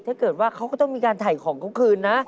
ถ้าเกิดว่าเขาก็ต้องมีการถ่ายของเขาคืนนะ